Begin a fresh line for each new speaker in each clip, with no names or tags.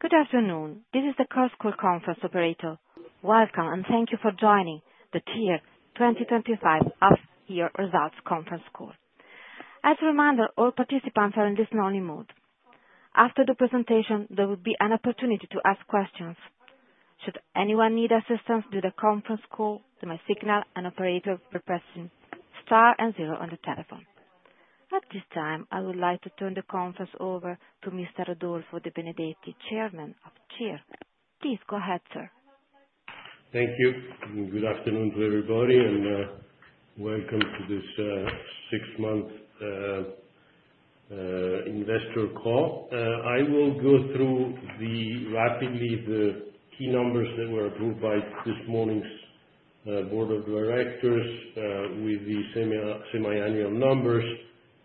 Good afternoon. This is the KOS Group conference operator. Welcome and thank you for joining the CIR 2025 half year results conference call. As a reminder, all participants are in listen-only mode. After the presentation, there will be an opportunity to ask questions. Should anyone need assistance during the conference call, you may signal an operator by pressing star and zero on the telephone. At this time, I would like to turn the conference over to Mr. Rodolfo De Benedetti, Chairman of CIR. Please go ahead, sir.
Thank you. Good afternoon to everybody, and welcome to this sixth month investor call. I will go through rapidly the key numbers that were approved by this morning's Board of Directors with the semi-annual numbers,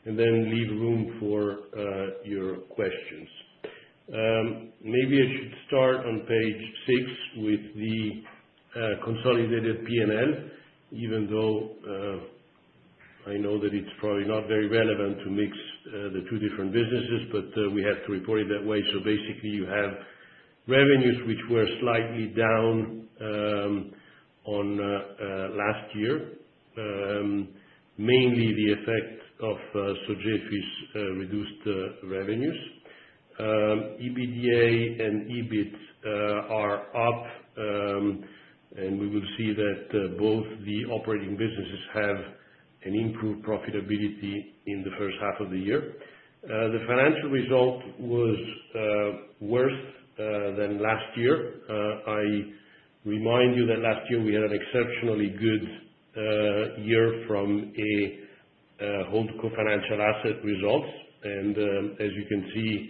and then leave room for your questions. Maybe I should start on page six with the consolidated P&L, even though I know that it's probably not very relevant to mix the two different businesses, but we have to report it that way. Basically, you have revenues which were slightly down last year, mainly the effect of Sogefi's reduced revenues. EBITDA and EBIT are up, and we will see that both the operating businesses have improved profitability in the first half of the year. The financial result was worse than last year. I remind you that last year we had an exceptionally good year from a hold co-financial asset results, and as you can see,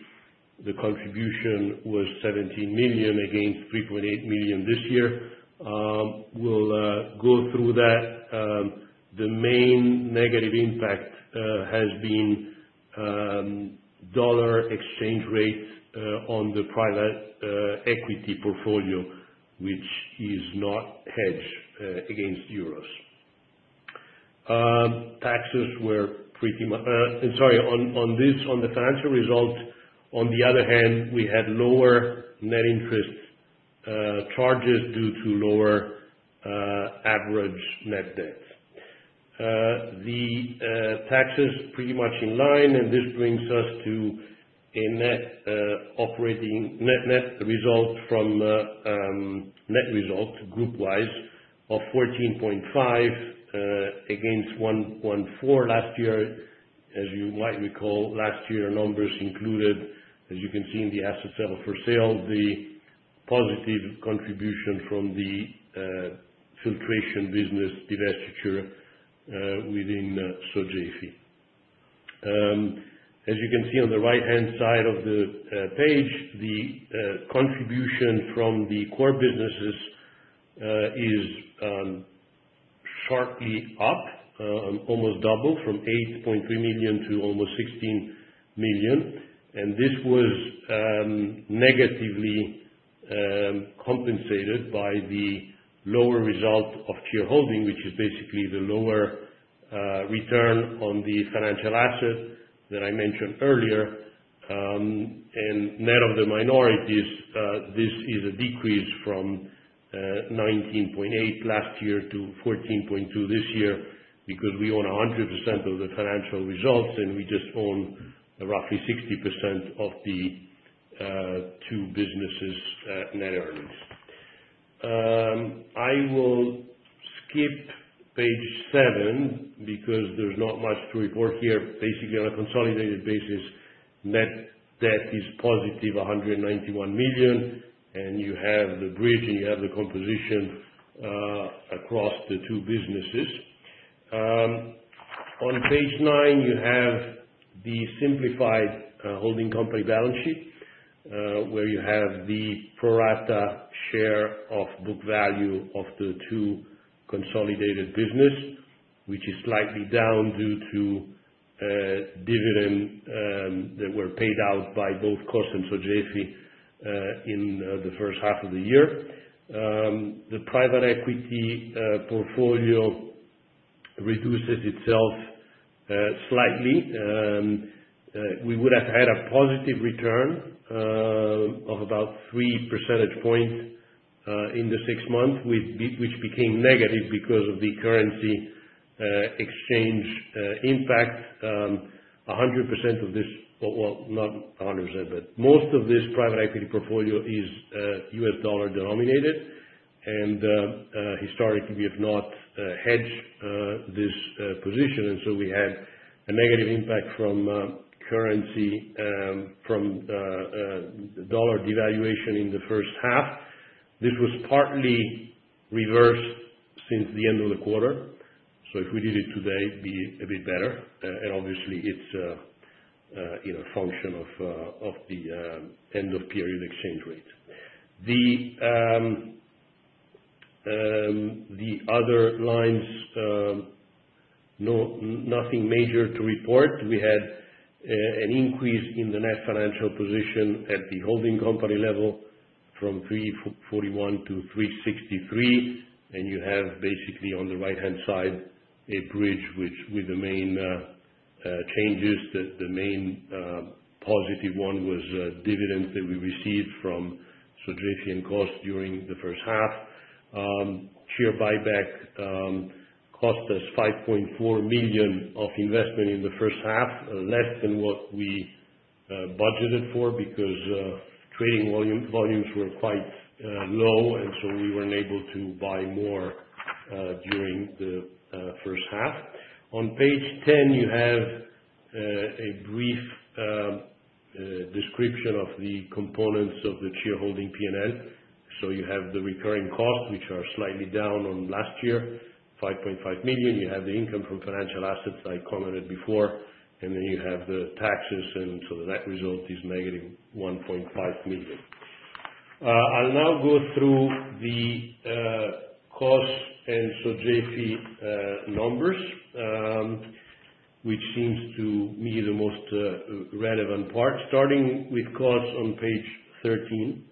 the contribution was 17 million against 3.8 million this year. We'll go through that. The main negative impact has been dollar exchange rates on the private equity portfolio, which is not hedged against euros. Taxes were pretty much, and sorry, on this, on the financial result, on the other hand, we had lower net interest charges due to lower average net debt. The taxes are pretty much in line, and this brings us to a net result from net result group-wise of 14.5 million against 1.4 million last year. As you might recall, last year's numbers included, as you can see in the asset sales for sale, the positive contribution from the filtration business, divestiture, within Sogefi. As you can see on the right-hand side of the page, the contribution from the core businesses is partly up, almost double, from 8.3 million to almost 16 million. This was negatively compensated by the lower result of shareholding, which is basically the lower return on the financial asset that I mentioned earlier. Net of the minorities, this is a decrease from 19.8 million last year to 14.2 million this year because we own 100% of the financial results, and we just own roughly 60% of the two businesses' net earnings. I will skip page seven because there's not much to report here. Basically, on a consolidated basis, net debt is positive 191 million, and you have the bridge, and you have the composition across the two businesses. On page nine, you have the simplified holding company balance sheet, where you have the pro rata share of book value of the two consolidated businesses, which is slightly down due to dividends that were paid out by both KOS and Sogefi in the first half of the year. The private equity portfolio reduces itself slightly. We would have had a positive return of about 3 percentage points in the six months, which became negative because of the currency exchange impacts. 100% of this, well, not 100%, but most of this private equity portfolio is U.S. dollar denominated, and historically, we have not hedged this position. We had a negative impact from currency, from dollar devaluation in the first half. This was partly reversed since the end of the quarter. If we did it today, it'd be a bit better. Obviously, it's a function of the end-of-period exchange rate. The other lines, nothing major to report. We had an increase in the net financial position at the holding company level from 341 million to 363 million. You have basically, on the right-hand side, a bridge with the main changes. The main positive one was dividends that we received from Sogefi and KOS during the first half. Share buyback cost us 5.4 million of investment in the first half, less than what we budgeted for because trading volumes were quite low, and we weren't able to buy more during the first half. On page 10, you have a brief description of the components of the shareholding P&L. You have the recurring costs, which are slightly down on last year, 5.5 million. You have the income from financial assets I commented before, and then you have the taxes, and that result is -1.5 million. I'll now go through the KOS and Sogefi numbers, which seems to me the most relevant part. Starting with KOS on page 13,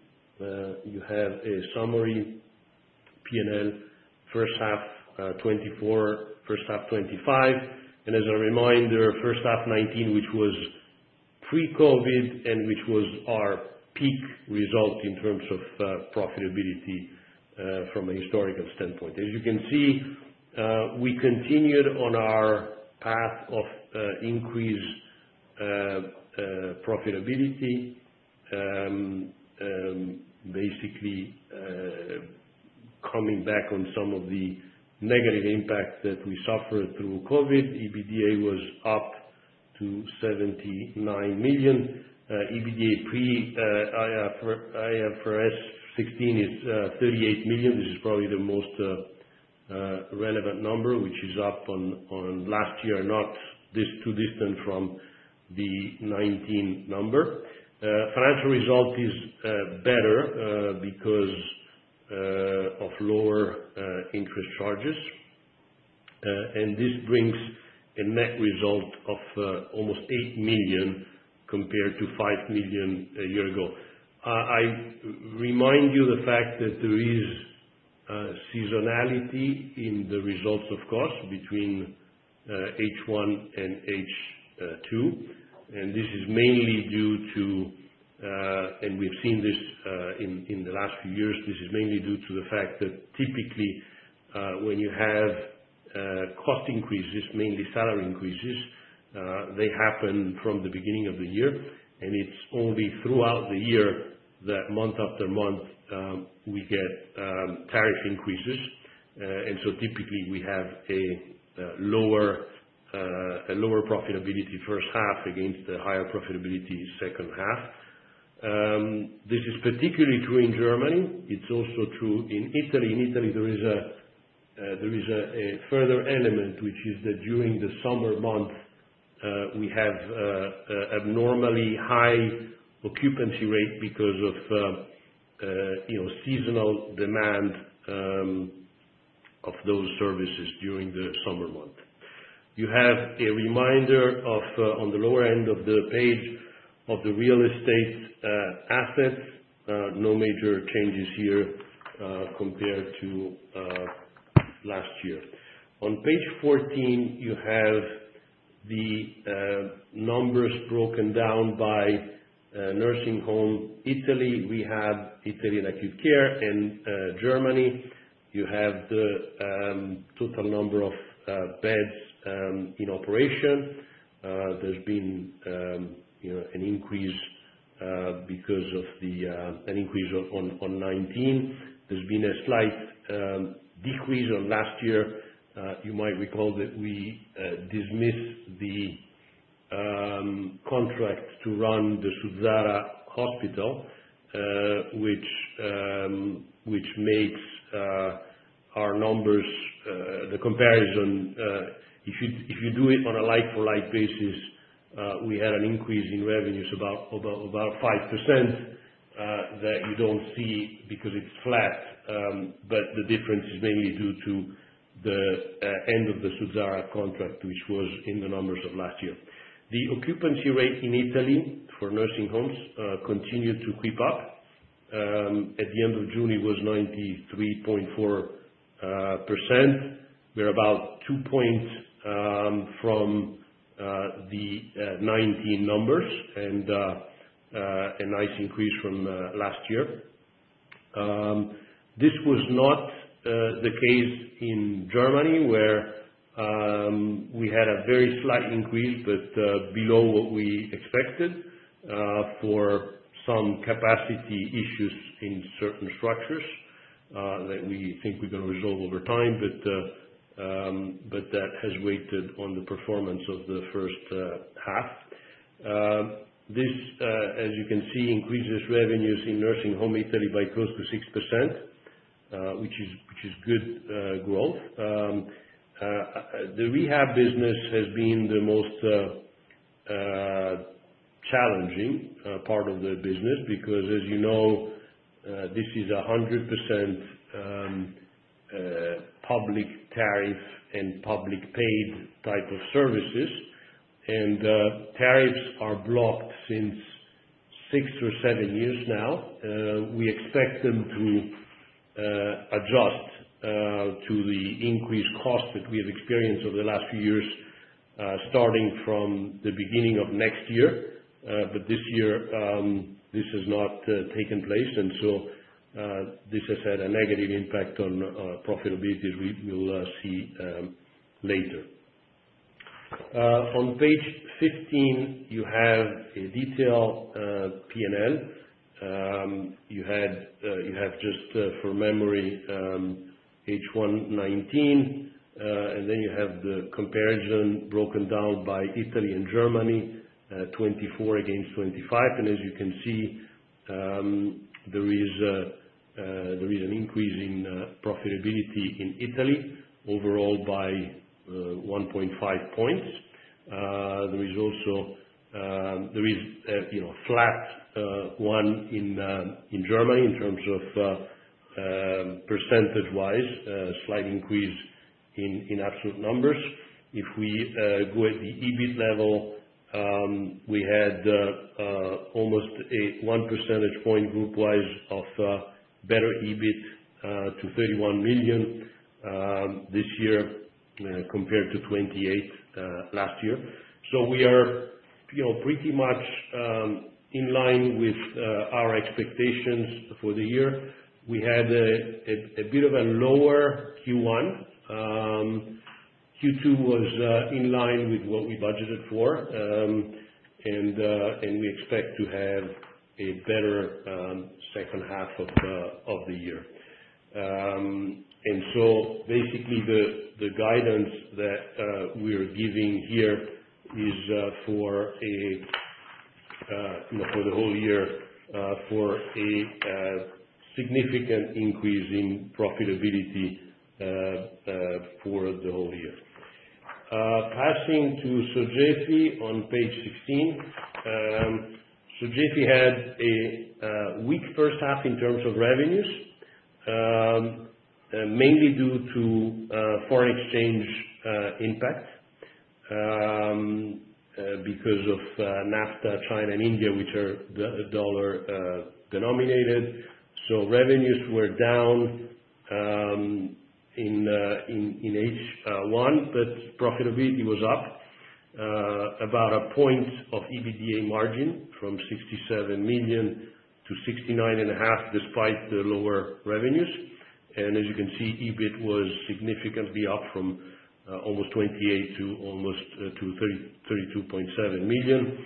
you have a summary P&L, first half 2024, first half 2025. As a reminder, first half 2019, which was pre-COVID and which was our peak result in terms of profitability from a historical standpoint. As you can see, we continued on our path of increased profitability, basically coming back on some of the negative impacts that we suffered through COVID. EBITDA was up to 79 million. EBITDA pre-IFRS 16, it's 38 million. This is probably the most relevant number, which is up on last year, not too distant from the 2019 number. Financial result is better because of lower interest charges. This brings a net result of almost 8 million compared to 5 million a year ago. I remind you of the fact that there is seasonality in the results of KOS between H1 and H2, and this is mainly due to, and we've seen this in the last few years, this is mainly due to the fact that typically, when you have cost increases, mainly salary increases, they happen from the beginning of the year. It's only throughout the year that, month after month, we get tariff increases. Typically, we have a lower profitability first half against a higher profitability second half. This is particularly true in Germany. It's also true in Italy. In Italy, there is a further element, which is that during the summer months, we have abnormally high occupancy rate because of seasonal demand of those services during the summer months. You have a reminder on the lower end of the page of the real estate assets. No major changes here compared to last year. On page 14, you have the numbers broken down by nursing home, Italy rehab, Italy active care, and Germany. You have the total number of beds in operation. There's been an increase because of the increase on 2019. There's been a slight decrease on last year. You might recall that we dismissed the contract to run the Suzzara Hospital, which makes our numbers, the comparison, if you do it on a like-for-like basis, we had an increase in revenues about 5% that you don't see because it's flat. The difference is mainly due to the end of the Suzzara contract, which was in the numbers of last year. The occupancy rate in Italy for nursing homes continued to creep up. At the end of June, it was 93.4%. We're about two points from the 2019 numbers and a nice increase from last year. This was not the case in Germany, where we had a very slight increase, but below what we expected for some capacity issues in certain structures that we think we're going to resolve over time. That has weighted on the performance of the first half. This, as you can see, increases revenues in nursing home Italy by close to 6%, which is good growth. The rehab business has been the most challenging part of the business because, as you know, this is 100% public tariff and public paid type of services. Tariffs are blocked since six or seven years now. We expect them to adjust to the increased costs that we have experienced over the last few years, starting from the beginning of next year. This year, this has not taken place. This has had a negative impact on profitability we will see later. On page 15, you have a detailed P&L. You have just for memory H1 2019, and then you have the comparison broken down by Italy and Germany, 2024 against 2025. As you can see, there is an increase in profitability in Italy overall by 1.5 points. There is also a flat one in Germany in terms of percentage-wise, a slight increase in absolute numbers. If we go at the EBIT level, we had almost a 1 percentage point group-wise of better EBIT to 31 million this year compared to 28 million last year. We are pretty much in line with our expectations for the year. We had a bit of a lower Q1. Q2 was in line with what we budgeted for, and we expect to have a better second half of the year. Basically, the guidance that we're giving here is for the whole year for a significant increase in profitability for the whole year. Passing to Sogefi on page 16, Sogefi had a weak first half in terms of revenues, mainly due to foreign exchange impacts because of NAFTA, China, and India, which are dollar denominated. Revenues were down in H1, but profitability was up about a point of EBITDA margin from 67 million to 69.5 million, despite the lower revenues. As you can see, EBIT was significantly up from almost 28 million to almost 32.7 million.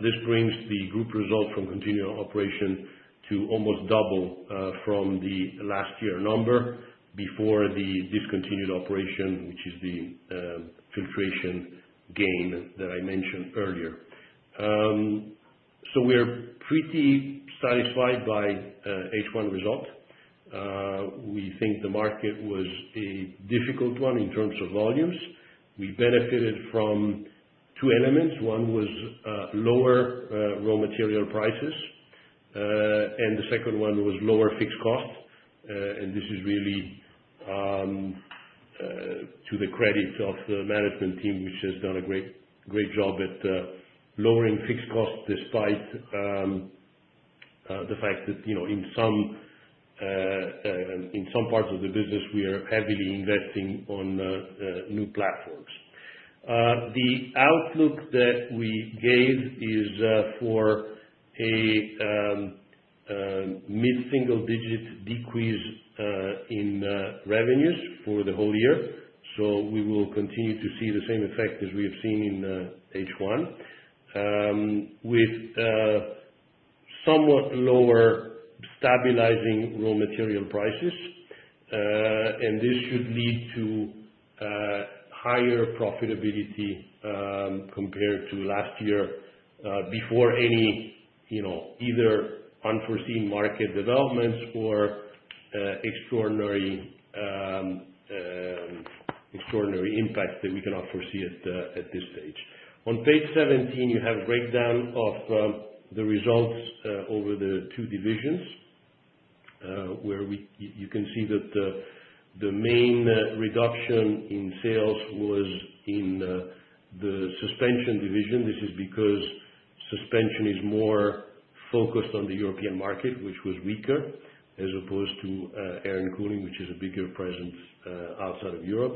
This brings the group result from continued operation to almost double from the last year number before the discontinued operation, which is the filtration gain that I mentioned earlier. We're pretty satisfied by H1 result. We think the market was a difficult one in terms of volumes. We benefited from two elements. One was lower raw material prices, and the second one was lower fixed costs. This is really to the credit of the management team, which has done a great job at lowering fixed costs despite the fact that in some parts of the business, we are heavily investing on new platforms. The outlook that we gave is for a mid-single-digit decrease in revenues for the whole year. We will continue to see the same effect as we have seen in H1, with somewhat lower stabilizing raw material prices. This should lead to higher profitability compared to last year before any either unforeseen market developments or extraordinary impacts that we cannot foresee at this stage. On page 17, you have a breakdown of the results over the two divisions, where you can see that the main reduction in sales was in the Suspensions division. This is because Suspension is more focused on the European market, which was weaker, as opposed to Air and Cooling, which has a bigger presence outside of Europe.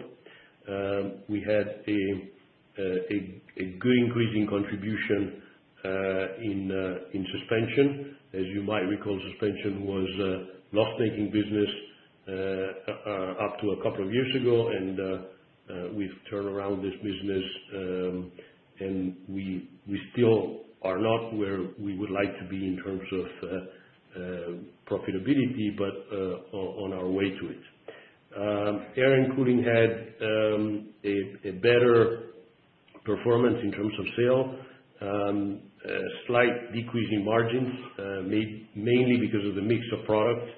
We had a good increase in contribution in Suspension. As you might recall, Suspension was a loss-making business up to a couple of years ago. We've turned around this business, and we still are not where we would like to be in terms of profitability, but on our way to it. Air and Cooling had a better performance in terms of sales, a slight decrease in margins, mainly because of the mix of products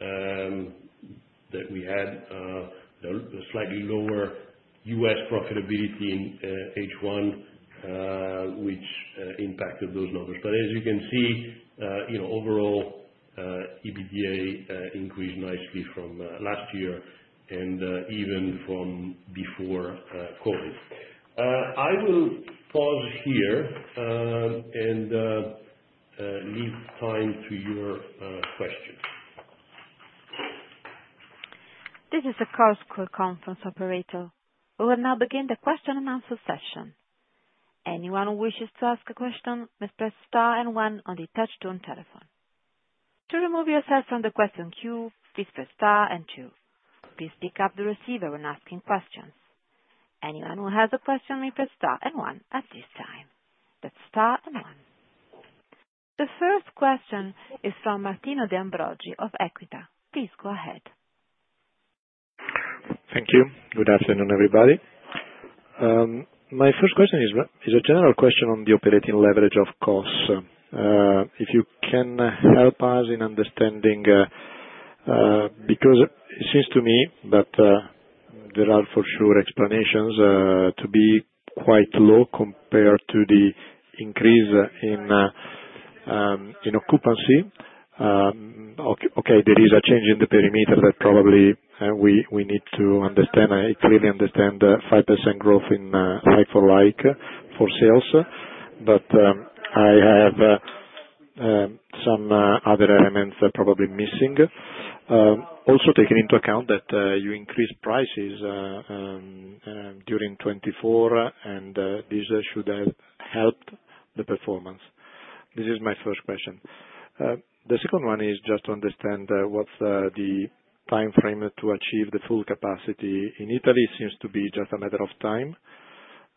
that we had, a slightly lower U.S. profitability in H1, which impacted those numbers. As you can see, overall, EBITDA increased nicely from last year and even from before COVID. I will pause here and leave time to your questions.
This is the KOS Group conference operator. We will now begin the question-and-answer session. Anyone who wishes to ask a question may press star and one on the touch-tone telephone. To remove yourself from the question queue, please press star and two. Please pick up the receiver when asking questions. Anyone who has a question may press star and one at this time. That's star and one. The first question is from Martino De Ambroggi of Equita. Please go ahead.
Thank you. Good afternoon, everybody. My first question is a general question on the operating leverage of KOS. If you can help us in understanding, because it seems to me that there are for sure explanations to be quite low compared to the increase in occupancy. There is a change in the perimeter that probably we need to understand. I really understand the 5% growth in like-for-like for sales, but I have some other elements that are probably missing. Also, taking into account that you increased prices during 2024, and this should have helped the performance. This is my first question. The second one is just to understand what's the timeframe to achieve the full capacity. In Italy, it seems to be just a matter of time.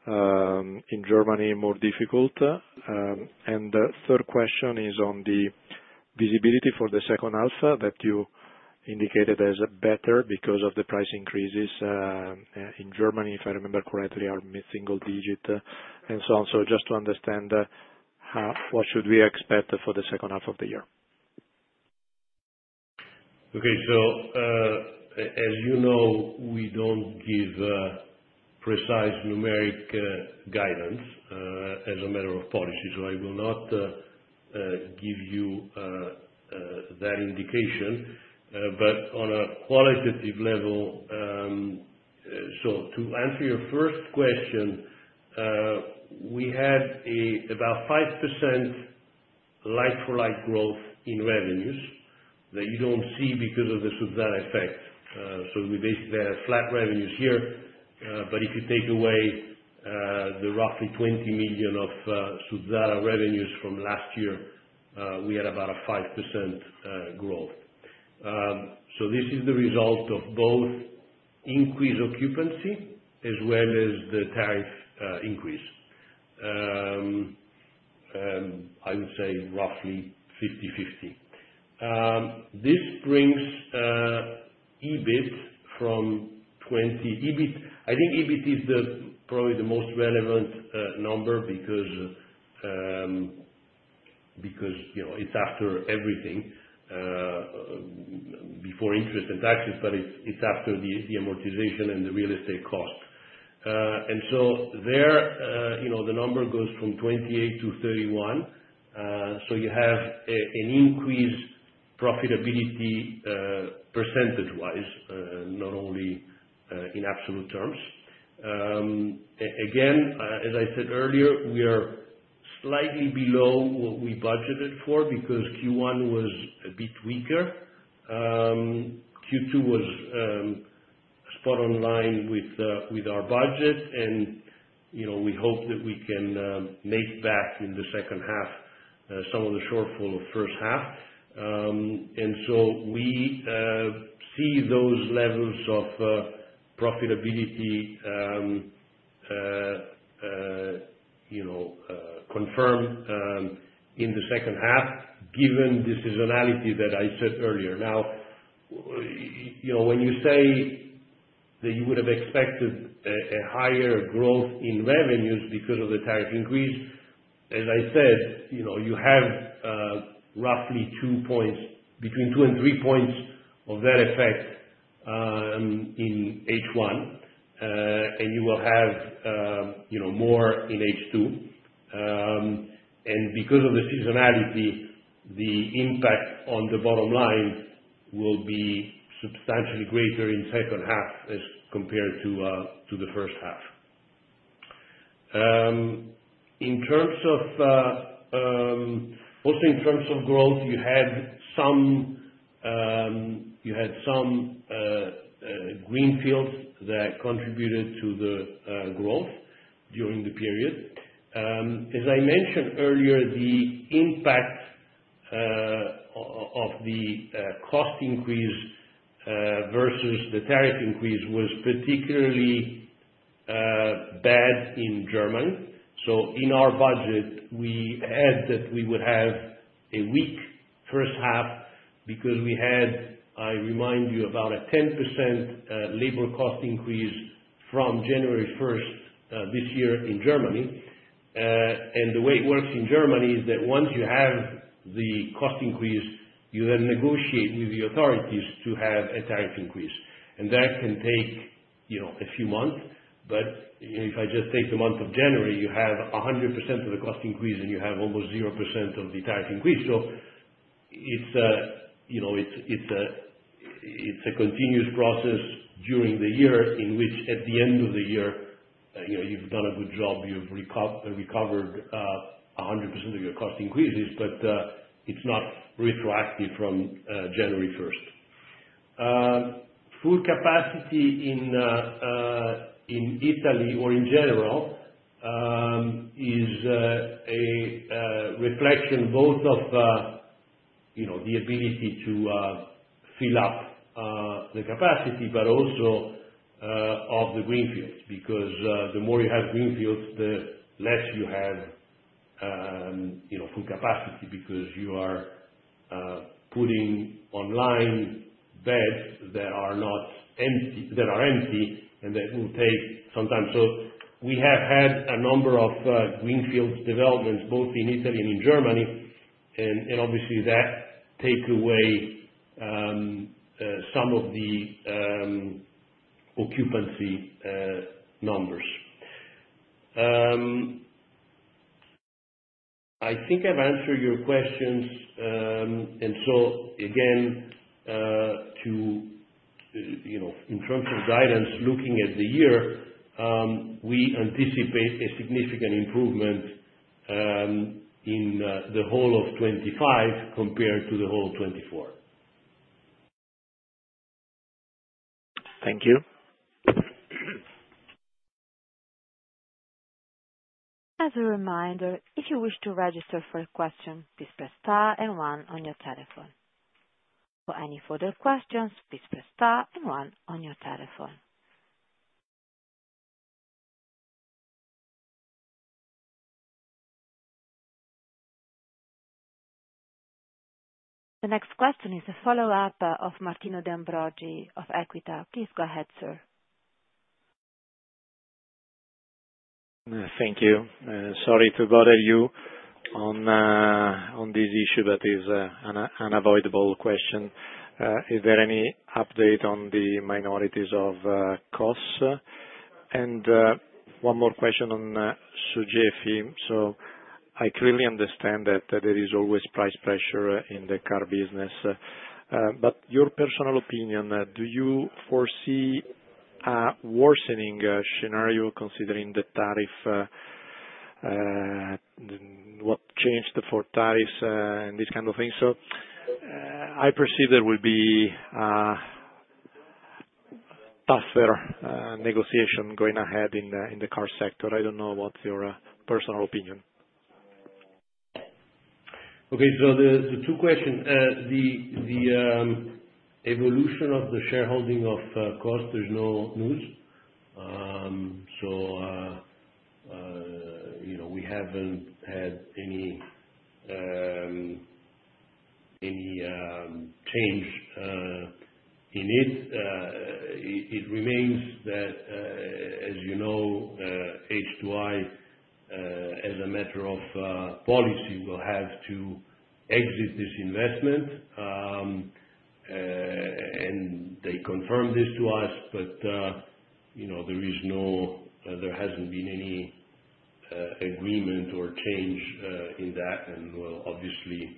In Germany, more difficult. The third question is on the visibility for the second half that you indicated as better because of the price increases. In Germany, if I remember correctly, are single-digit and so on. Just to understand what should we expect for the second half of the year?
Okay. As you know, we don't give precise numeric guidance as a matter of policy. I will not give you that indication. On a qualitative level, to answer your first question, we had about 5% like-for-like growth in revenues that you don't see because of the Suzzara effect. We basically had flat revenues here. If you take away the roughly 20 million of Suzzara revenues from last year, we had about a 5% growth. This is the result of both increased occupancy as well as the tariff increase. I would say roughly 50/50. This brings EBIT from 28 million to EUR 31 million. I think EBIT is probably the most relevant number because it's after everything, before interest and taxes, but it's after the amortization and the real estate cost. There, the number goes from 28 million to 31 million. You have an increased profitability percentage-wise, not only in absolute terms. As I said earlier, we are slightly below what we budgeted for because Q1 was a bit weaker. Q2 was spot on line with our budget, and we hope that we can make back in the second half some of the shortfall of the first half. We see those levels of profitability confirmed in the second half, given the seasonality that I said earlier. When you say that you would have expected a higher growth in revenues because of the tariff increase, as I said, you have roughly two points, between two and three points of that effect in H1, and you will have more in H2. Because of the seasonality, the impact on the bottom line will be substantially greater in the second half as compared to the first half. In terms of growth, you had some greenfields that contributed to the growth during the period. As I mentioned earlier, the impact of the cost increase versus the tariff increase was particularly bad in Germany. In our budgets, we had that we would have a weak first half because we had, I remind you, about a 10% labor cost increase from January 1st this year in Germany. The way it works in Germany is that once you have the cost increase, you then negotiate with the authorities to have a tariff increase. That can take a few months. If I just take the month of January, you have 100% of the cost increase and you have almost 0% of the tariff increase. It's a continuous process during the year in which, at the end of the year, if you've done a good job, you've recovered 100% of your cost increases, but it's not retroactive from January 1st. Full capacity in Italy, or in general, is a reflection both of the ability to fill up the capacity, but also of the greenfields. The more you have greenfields, the less you have full capacity because you are putting online beds that are empty, and that will take some time. We have had a number of greenfield developments, both in Italy and in Germany, and obviously, that takes away some of the occupancy numbers. I think I've answered your questions. In terms of guidance, looking at the year, we anticipate a significant improvement in the whole of 2025 compared to the whole of 2024.
Thank you.
As a reminder, if you wish to register for a question, please press star and one on your telephone. For any further questions, please press star and one on your telephone. The next question is a follow-up of Martino De Ambroggi of Equita. Please go ahead, sir.
Thank you. Sorry to bother you on this issue, but it is an unavoidable question. Is there any update on the minorities of KOS? One more question on Sogefi. I clearly understand that there is always price pressure in the car business. In your personal opinion, do you foresee a worsening scenario considering the tariff, what changed for tariffs and these kinds of things? I perceive there will be a tougher negotiation going ahead in the car sector. I don't know what's your personal opinion.
Okay. So the two questions, the evolution of the shareholding of KOS, there's no news. We haven't had any change in it. It remains that, as you know, H2I, as a matter of policy, will have to exit this investment. They confirmed this to us, but you know there hasn't been any agreement or change in that. We'll obviously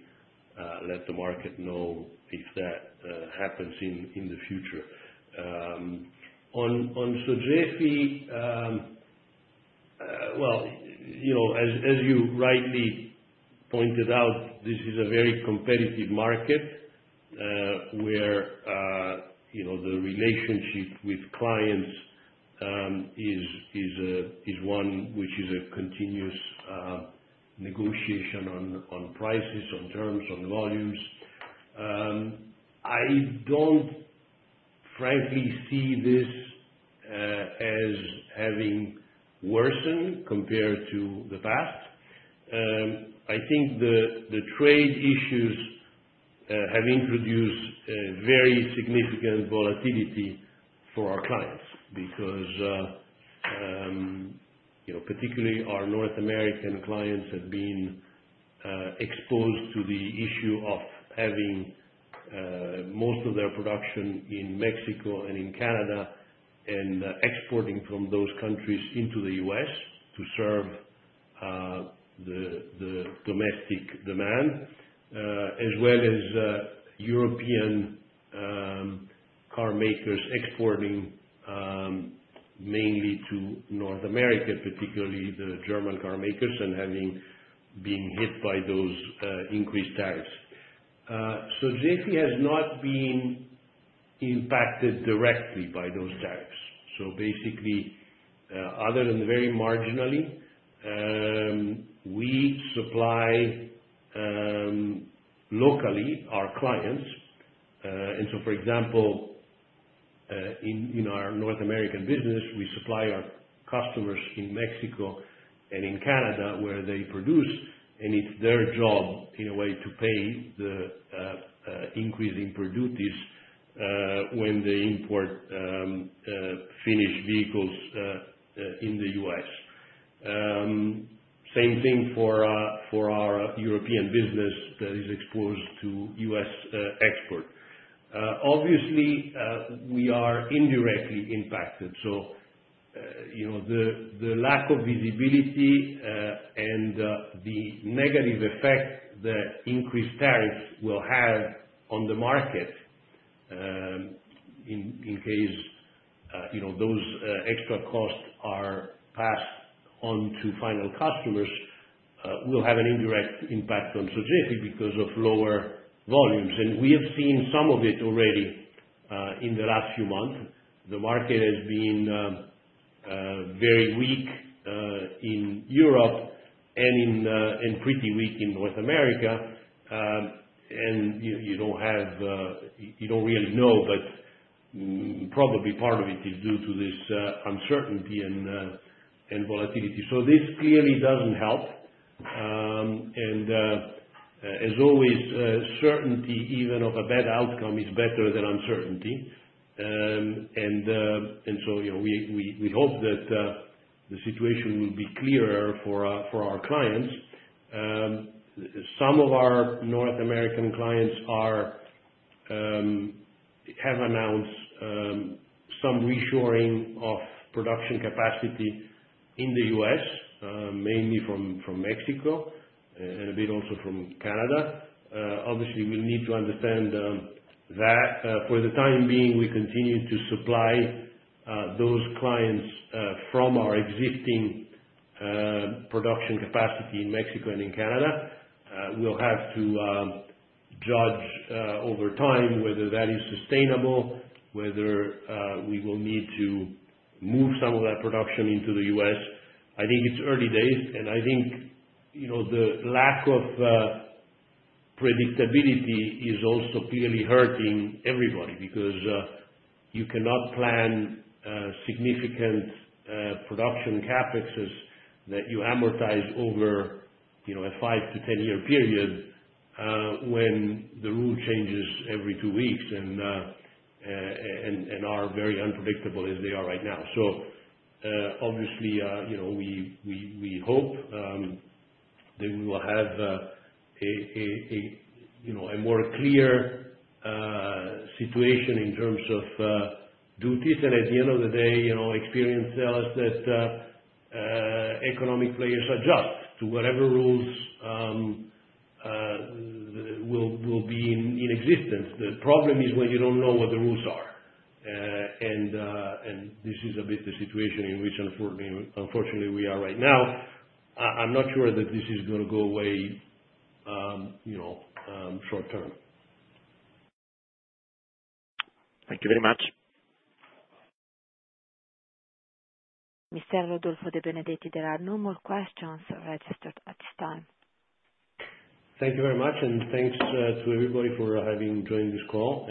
let the market know if that happens in the future. On Sogefi, as you rightly pointed out, this is a very competitive market where the relationship with clients is one which is a continuous negotiation on prices, on terms, on volumes. I don't frankly see this as having worsened compared to the past. I think the trade issues have introduced very significant volatility for our clients because, particularly our North American clients have been exposed to the issue of having most of their production in Mexico and in Canada and exporting from those countries into the U.S. to serve the domestic demand, as well as European car makers exporting mainly to North America, particularly the German car makers, and having been hit by those increased tariffs. Sogefi has not been impacted directly by those tariffs. Basically, other than very marginally, we supply locally our clients. For example, in our North American business, we supply our customers in Mexico and in Canada where they produce. It's their job, in a way, to pay the increase in producers when they import finished vehicles in the U.S. Same thing for our European business that is exposed to U.S. export. Obviously, we are indirectly impacted. The lack of visibility and the negative effects that increased tariffs will have on the market in case those extra costs are passed on to final customers will have an indirect impact on Sogefi because of lower volumes. We have seen some of it already in the last few months. The market has been very weak in Europe and pretty weak in North America. You don't really know, but probably part of it is due to this uncertainty and volatility. This clearly doesn't help. As always, certainty even of a bad outcome is better than uncertainty. We hope that the situation will be clearer for our clients. Some of our North American clients have announced some reshoring of production capacity in the U.S., mainly from Mexico and a bit also from Canada. Obviously, we need to understand that for the time being, we continue to supply those clients from our existing production capacity in Mexico and in Canada. We have to judge over time whether that is sustainable, whether we will need to move some of that production into the U.S. I think it's early days, and the lack of predictability is also clearly hurting everybody because you cannot plan significant production CapEx that you amortize over a 5-10-year period when the rule changes every two weeks and are very unpredictable as they are right now. We hope that we will have a more clear situation in terms of duties. At the end of the day, experience tells us that economic players adjust to whatever rules will be in existence. The problem is when you don't know what the rules are. This is a bit the situation in which, unfortunately, we are right now. I'm not sure that this is going to go away short term.
Thank you very much.
Mr. Rodolfo De Benedetti, there are no more questions registered at this time.
Thank you very much, and thanks to everybody for having joined this call.